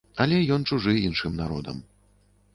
Але ён чужы іншым народам.